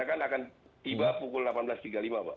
kan akan tiba pukul delapan belas tiga puluh lima pak